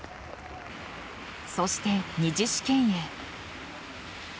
そして二次試験へ。